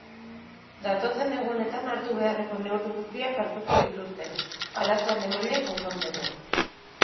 Datozen egunetan hartu beharreko neurri guztiak hartuko dituzte, arazoa lehenbailehen konpontzeko.